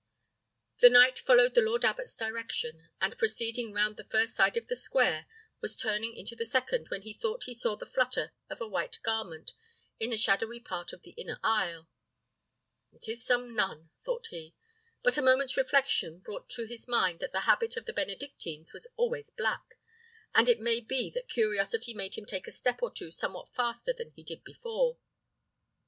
The knight followed the lord abbot's direction; and proceeding round the first side of the square, was turning into the second, when he thought he saw the flutter of a white garment in the shadowy part of the inner aisle. "It is some nun," thought he: but a moment's reflection brought to his mind that the habit of the Benedictines was always black; and it may be that curiosity made him take a step or two somewhat faster than he did before.